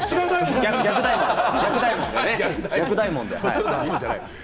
逆大門だ！